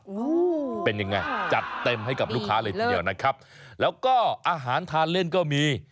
โอ้โหเป็นยังไงจัดเต็มให้กับลูกค้าเลยทีเดียวนะครับแล้วก็อาหารทานเล่นก็มี